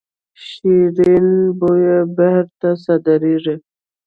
شیرین بویه بهر ته صادریږي